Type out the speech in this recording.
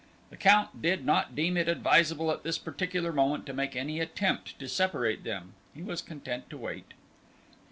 The Count did not deem it advisable at this particular moment to make any attempt to separate them: he was content to wait.